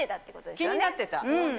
気になってた。